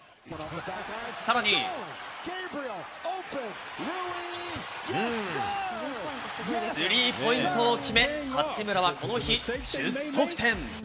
さらにスリーポイントを決め、八村はこの日、１０得点。